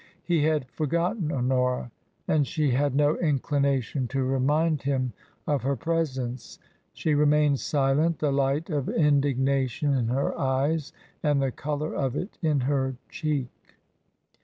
He had for gotten Honora, and she had no inclination to remind him of her presence. She remained silent, the light of indignation in her eyes and the colour of it in her cheek.